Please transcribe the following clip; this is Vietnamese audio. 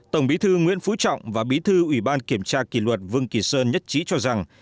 tổng bí thư nguyễn phú trọng và bí thư ủy ban kiểm tra kỷ luật vương kỳ sơn nhất trí cho rằng